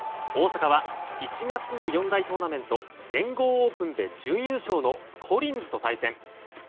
大坂は１月の四大トーナメント全豪オープンで準優勝のコリンズと対戦。